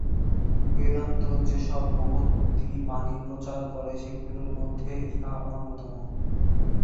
বেদান্ত যে-সব মহতী বাণী প্রচার করে, সেগুলির মধ্যে ইহা অন্যতম।